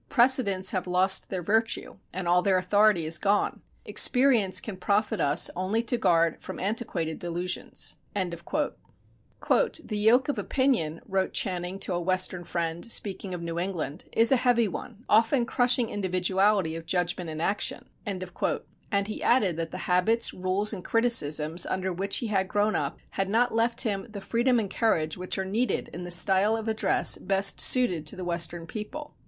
Precedents have lost their virtue and all their authority is gone. ... Experience can profit us only to guard from antequated delusions." "The yoke of opinion," wrote Channing to a Western friend, speaking of New England, "is a heavy one, often crushing individuality of judgment and action," and he added that the habits, rules, and criticisms under which he had grown up had not left him the freedom and courage which are needed in the style of address best suited to the Western people.